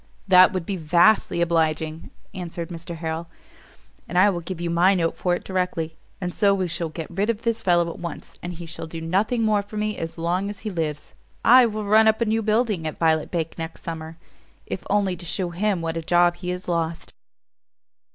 "That would be vastly obliging," answered Mr Harrel, "and I will give you my note for it directly. And so we shall get rid of this fellow at once: and he shall do nothing more for me as long as he lives. I will run up a new building at Violet Bank next summer, if only to shew him what a job he has lost."